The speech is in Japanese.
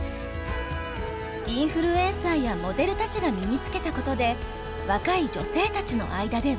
インフルエンサーやモデルたちが身に着けたことで若い女性たちの間で話題に。